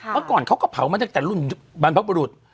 เมื่อก่อนเขาก็เผามาตั้งแต่รุ่นบรรพบรุษ